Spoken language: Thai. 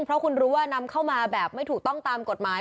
เพราะคุณรู้ว่านำเข้ามาแบบไม่ถูกต้องตามกฎหมาย